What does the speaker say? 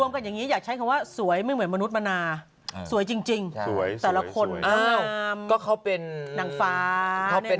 ๕๐ก็มีได้เอ้ยแล้วมันมีลูกมีเต้าตอนไหน